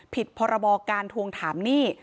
พรบการทวงถามหนี้